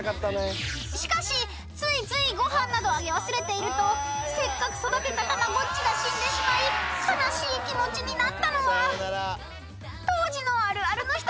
［ついついご飯などあげ忘れているとせっかく育てたたまごっちが死んでしまい悲しい気持ちになったのは当時のあるあるの一つでした］